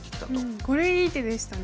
これいい手でしたね。